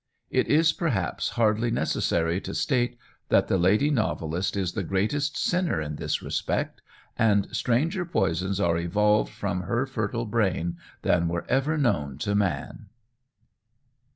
It is perhaps hardly necessary to state that the lady novelist is the greatest sinner in this respect, and stranger poisons are evolved from her fertile brain than were ever known to man.